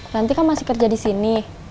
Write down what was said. nanti kan masih kerja di sini